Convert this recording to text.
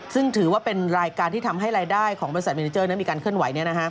ซึ่งถือว่าเป็นรายการที่ทำให้รายได้ของบริษัทเมนิเจอร์นั้นมีการเคลื่อนไหว